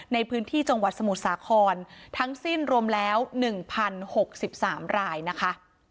ในพื้นที่จังหวัดสมุทรสาครทั้งสิ้นรวมแล้ว๑๐๖๓รายนะคะ